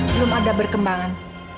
belum ada berkembangan